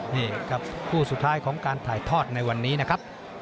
นี่ครับคู่สุดท้ายของการถ่ายทอดในวันนี้นะครับ